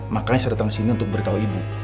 makanya saya datang ke sini untuk beritahu ibu